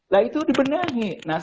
nah itu dibenangi